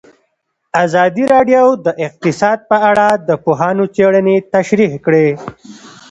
ازادي راډیو د اقتصاد په اړه د پوهانو څېړنې تشریح کړې.